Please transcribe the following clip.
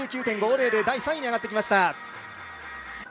７９．５０で第３位に上がってきました。